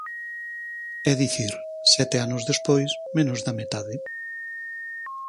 É dicir, sete anos despois, menos da metade.